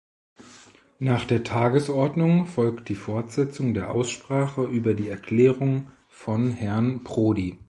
Nach der Tagesordnung folgt die Fortsetzung der Aussprache über die Erklärung von Herrn Prodi.